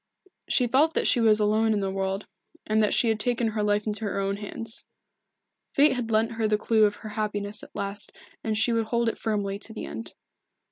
She felt that she was alone in the world, and that she had taken her life into her own hands. Fate had lent her the clue of her happiness at last and she would hold it firmly to the end.